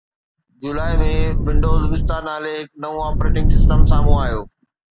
جولاءِ ۾، Windows Vista نالي هڪ نئون آپريٽنگ سسٽم سامهون آيو